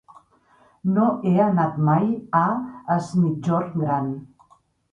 No he anat mai a Es Migjorn Gran.